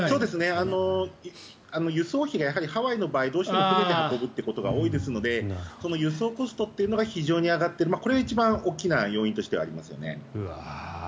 輸送費がハワイの場合はどうしても船で運ぶことが多いので輸送コストというのが非常に上がってこれが一番大きな要因としてはありますよね。